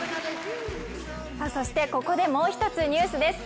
ここでもう一つニュースです。